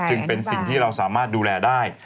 จึงเป็นสิ่งที่เราสามารถดูแลได้